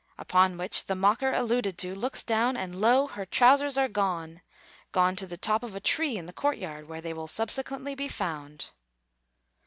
upon which the mocker alluded to looks down, and lo! her trousers are gone gone to the top of a tree in the court yard, where they will subsequently be found.